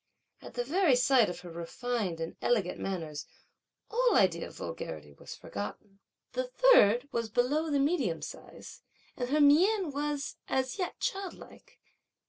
At the very sight of her refined and elegant manners all idea of vulgarity was forgotten. The third was below the medium size, and her mien was, as yet, childlike.